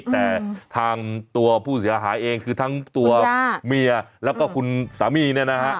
แต่ทางตัวผู้เสียหายเองคือทั้งตัวเมียแล้วก็คุณสามีเนี่ยนะฮะ